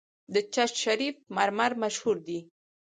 د چشت شریف مرمر مشهور دي